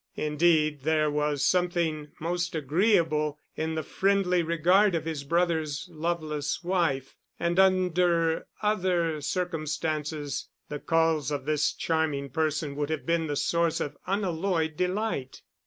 Indeed there was something most agreeable in the friendly regard of his brother's loveless wife, and under other circumstances, the calls of this charming person would have been the source of unalloyed delight.